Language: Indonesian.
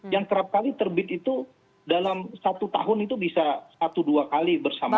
yang kerap kali terbit itu dalam satu tahun itu bisa satu dua kali bersama